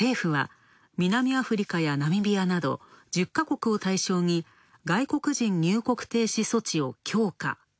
また政府は、南アフリカやナミビアなど１０カ国を対象に外国人入国停止措置を強化。